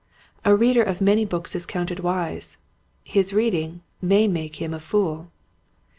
A reader of many books is counted wise : his reading may make him a fool.